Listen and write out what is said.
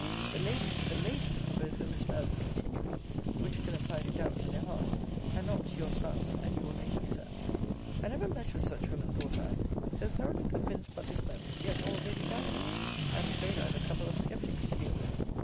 The Lady! The Lady! from both women's mouth's continually (which still implied a doubt in their hearts): and not Your Spouse, and Your Lady, Sir. I never met with such women, thought I: so thoroughly convinced but this moment, yet already doubting I am afraid I have a couple of skeptics to deal with.